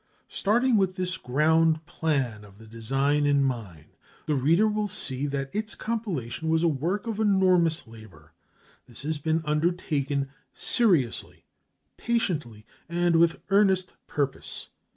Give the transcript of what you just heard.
Starting with this ground plan of the design in mind, the reader will see that its compilation was a work of enormous labor. This has been undertaken seriously, patiently, and with earnest purpose.